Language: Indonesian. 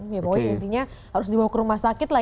ya pokoknya intinya harus dibawa ke rumah sakit lah